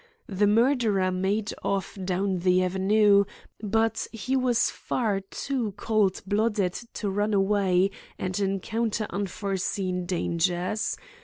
The murderer made off down the avenue, but he was far too cold blooded to run away and encounter unforeseen dangers.